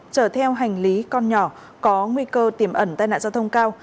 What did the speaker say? chở theo hành lý con nhỏ có nguy cơ tiềm ẩn tai nạn giao thông cao